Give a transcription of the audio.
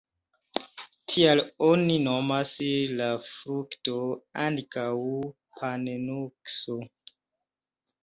Tial oni nomas la frukto ankaŭ pan-nukso.